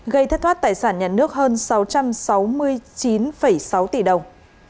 gây thất thoát tài sản nhà nước hơn sáu trăm sáu mươi chín sáu tỷ đồng